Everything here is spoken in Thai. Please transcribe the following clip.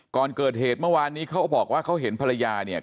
ก่อนเกิดเหตุเมื่อวานนี้เขาก็บอกว่าเขาเห็นภรรยาเนี่ย